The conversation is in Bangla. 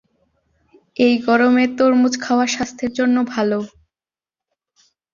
মালয়েশিয়া এপর্যন্ত একবারও ফিফা বিশ্বকাপে অংশগ্রহণ করতে পারেনি।